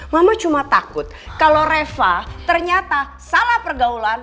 mama cuma takut kalau reva ternyata salah pergaulan